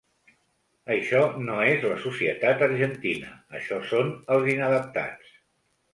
Això no és la societat argentina, això són els inadaptats.